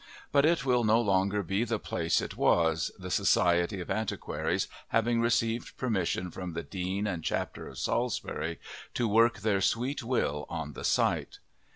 But it will no longer be the place it was, the Society of Antiquaries having received permission from the Dean and Chapter of Salisbury to work their sweet will on the site.